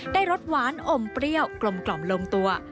ได้รสหวานอมเปรี้ยวกลมกล่อมลงตัว